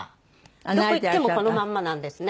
どこ行ってもこのまんまなんですね。